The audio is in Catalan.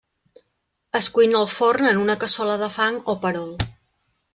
Es cuina al forn en una cassola de fang o perol.